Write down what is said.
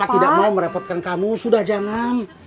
tidak mau merepotkan kamu sudah jangan